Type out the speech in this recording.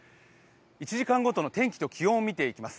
１時間ごとの天気と気温を見ていきます。